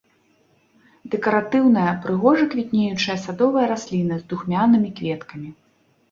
Дэкаратыўная прыгожа квітнеючая садовая расліна з духмянымі кветкамі.